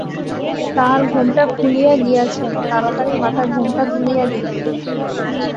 তাহার ঘােমটা খুলিয়া গিয়াছিল, তাড়াতাড়ি মাথার ঘােমটা তুলিয়া দিল।